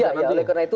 ya ya oleh karena itu